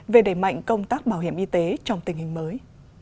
về đẩy mạnh công tác bảo hiểm y tế trong tình hình mới